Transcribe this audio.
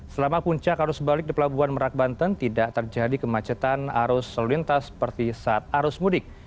selama puncak arus balik di pelabuhan merak banten tidak terjadi kemacetan arus lalu lintas seperti saat arus mudik